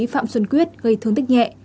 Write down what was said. phạm xuân quyết gây thương tích nhẹ